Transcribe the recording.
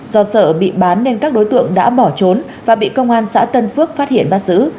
do sợ bị bán nên các đối tượng đã bỏ trốn và bị công an xã tân phước phát hiện bắt giữ